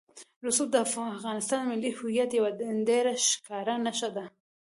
رسوب د افغانستان د ملي هویت یوه ډېره ښکاره نښه ده.